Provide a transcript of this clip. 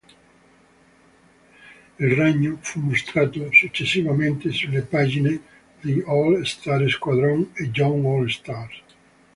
Il Ragno fu mostrato successivamente sulle pagine di All-Star Squadron e Young All-Stars.